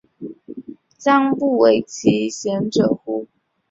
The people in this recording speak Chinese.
将不讳其嫌者乎？